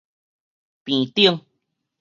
坪頂